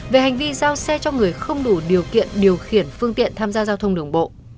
về hành vi giao xe cho người không đủ điều kiện điều khiển phương tiện tham gia giao thông đường bộ